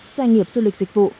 xoay nghiệp du lịch dịch vụ